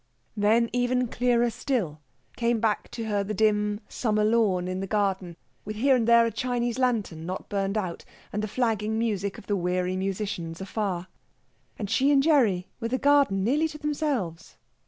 Then, even clearer still, came back to her the dim summer dawn in the garden, with here and there a Chinese lantern not burned out, and the flagging music of the weary musicians afar, and she and Gerry with the garden nearly to themselves.